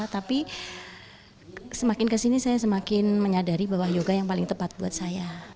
tapi semakin kesini saya semakin menyadari bahwa yoga yang paling tepat buat saya